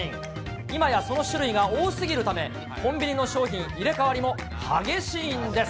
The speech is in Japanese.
今やその種類が多すぎるため、コンビニの商品入れ代わりも激しいんです。